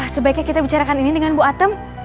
sebaiknya kita bicarakan ini dengan bu atem